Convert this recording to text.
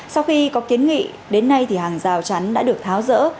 sau khi có kiến nghị đến nay thì hàng rào chắn đã được tháo rỡ